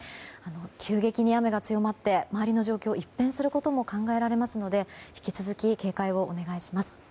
急激に雨が強まって周りの状況が一変することも考えられますので引き続き警戒をお願いします。